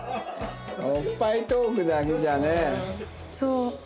おっぱいトークだけじゃあね。